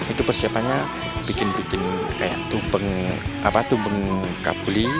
itu persiapannya bikin bikin kayak tumpeng tumpeng kapuli